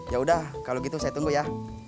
yaudah kalau gitu saya tunggu ya